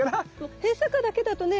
閉鎖花だけだとね